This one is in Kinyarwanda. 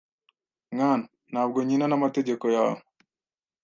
Mwana, ntabwo nkina namategeko yawe